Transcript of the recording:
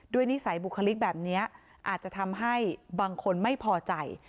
นิสัยบุคลิกแบบนี้อาจจะทำให้บางคนไม่พอใจ